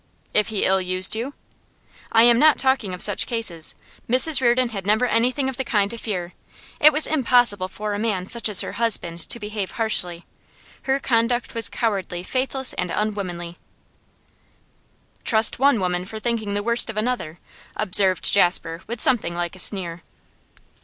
'If he ill used you?' 'I am not talking of such cases. Mrs Reardon had never anything of the kind to fear. It was impossible for a man such as her husband to behave harshly. Her conduct was cowardly, faithless, unwomanly!' 'Trust one woman for thinking the worst of another,' observed Jasper with something like a sneer.